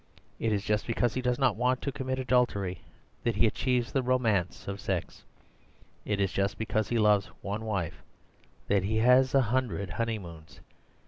It is just because he does not want to commit adultery that he achieves the romance of sex; it is just because he loves one wife that he has a hundred honeymoons.